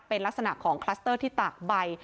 เป็นลักษณะของคลัสเตอร์ที่ตากใบ